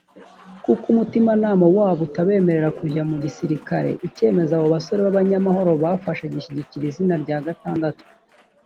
kuko umutimanama wabo utabemerera kujya mu gisirikare icyemezo abo basore b abanyamahoro bafashe gishyigikira izina rya gatandatu